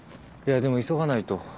いやでも急がないと。